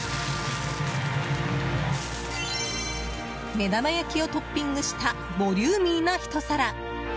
目玉焼きをトッピングしたボリューミーなひと皿。